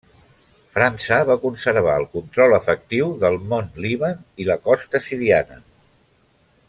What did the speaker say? França va conservar el control efectiu del Mont Líban i la costa siriana.